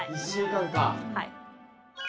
はい。